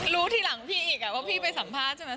รู้ทีหลังพี่อีกว่าพี่ไปสัมภาษณ์ใช่ไหม